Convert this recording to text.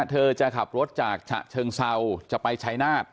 เธอจะขับรถจากฉะเชิงเซาจะไปชายนาฏ